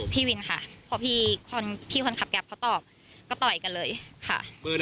พี่วินค่ะพอพี่คนขับแก๊ปเขาตอบก็ต่อยกันเลยค่ะ